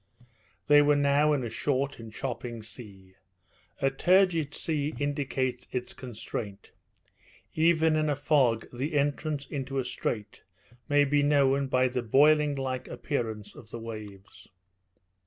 They were now in a short and chopping sea. A turgid sea indicates its constraint. Even in a fog the entrance into a strait may be known by the boiling like appearance of the waves.